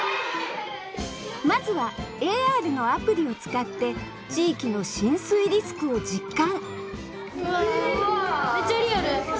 まずはＡＲのアプリを使って地域の浸水リスクを実感わ！